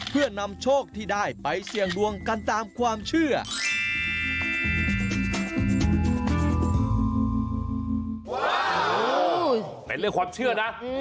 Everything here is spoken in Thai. เพื่อนำโชคที่ได้ไปเสี่ยงดวงกันตามความเชื่อนะ